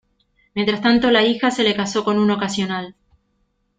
Mientras tanto, la hija se le casó con un ocasional.